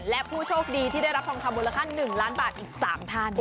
และผู้โชคดีที่ได้รับทองคำมูลค่า๑ล้านบาทอีก๓ท่าน